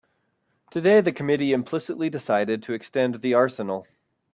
Today the committee implicitly decided to extend the arsenal.